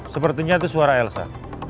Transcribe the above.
sepertinya itu suara elsa